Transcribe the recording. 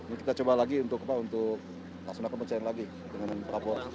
ini kita coba lagi untuk pak untuk langsung aku percaya lagi dengan pak kapolres